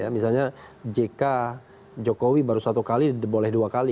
misalnya jk jokowi baru satu kali boleh dua kali